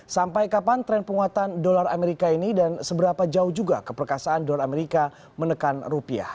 sampai kapan tren penguatan dolar amerika ini dan seberapa jauh juga keperkasaan dolar amerika menekan rupiah